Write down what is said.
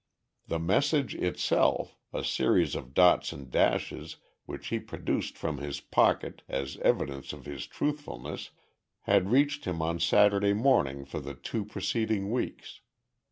The message itself a series of dots and dashes which he produced from his pocket as evidence of his truthfulness had reached him on Saturday morning for the two preceding weeks.